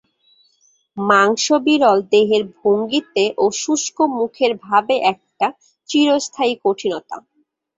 মাংসবিরল দেহের ভঙ্গিতে ও শুষ্ক মুখের ভাবে একটা চিরস্থায়ী কঠিনতা।